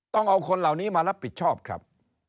ต้องเอาคนเหล่านี้มารับผิดชอบครับ